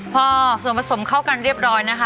พอส่วนผสมเข้ากันเรียบร้อยนะคะ